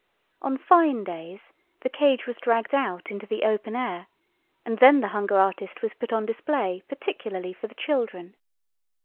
On fine days the cage was dragged out into the open air, and then the hunger artist was put on display particularly for the children.